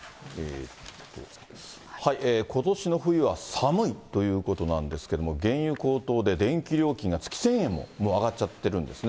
ことしの冬は寒いということなんですけれども、原油高騰で、電気料金が月１０００円も上がっちゃってるんですね。